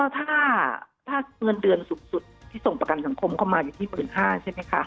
ถ้าเงินเดือนสูงสุดที่ส่งประกันสังคมเข้ามาอยู่ที่๑๕๐๐ใช่ไหมคะ